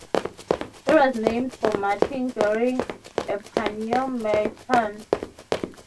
It was named for Martin Gering, a pioneer merchant.